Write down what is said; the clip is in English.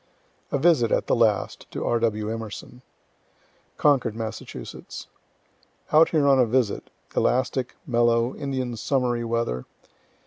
A VISIT, AT THE LAST, TO R. W. EMERSON Concord, Mass. Out here on a visit elastic, mellow, Indian summery weather.